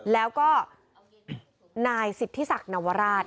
แล้วก็นายสิทธิศักดิ์นวราช